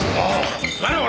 ああ！